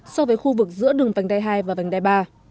so với khu vực giữa đường vành đai hai và vành đai ba